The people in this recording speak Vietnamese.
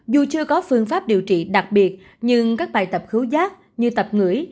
dù chưa có phương pháp điều trị đặc biệt nhưng các bài tập khứu giác như tập ngửi